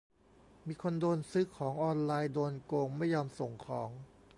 - มีคนโดนซื้อของออนไลน์โดนโกงไม่ยอมส่งของ